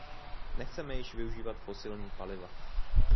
Nechceme již využívat fosilní paliva.